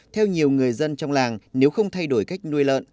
theo nhiều người dân trong làng nếu không thay đổi cách nuôi lợn